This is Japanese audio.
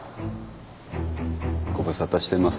ご無沙汰してます。